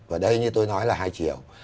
và đây như tôi nói là hai triệu